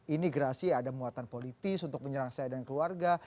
ini gerasi ada muatan politis untuk menyerang saya dan keluarga